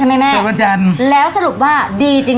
อ่ากูพูดชิ้น